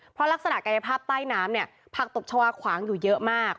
เพราะลักษณะกายภาพใต้น้ำเนี่ยผักตบชาวาขวางอยู่เยอะมาก